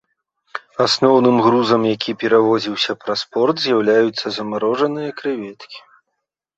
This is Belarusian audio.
Асноўным грузам, які перавозіўся праз порт, з'яўляюцца замарожаныя крэветкі.